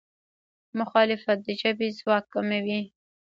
مخالفت د ژبې ځواک کموي.